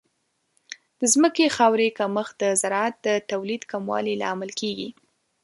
د ځمکې خاورې کمښت د زراعت د تولید کموالی لامل کیږي.